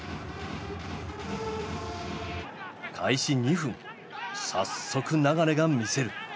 開始２分早速流が見せる。